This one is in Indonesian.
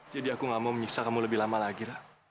jadi aku tidak mau menyiksa kamu lebih lama lagi